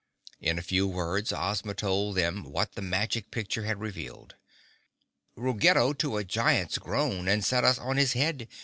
In a few words Ozma told them what the magic picture had revealed. "Ruggedo to a giant's grown And set us on his head.